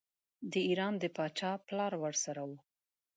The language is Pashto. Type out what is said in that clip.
د ایران د پاچا ملاړ ورسره وو.